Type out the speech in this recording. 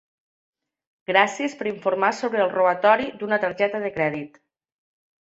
Gràcies per informar sobre el robatori d'una targeta de crèdit.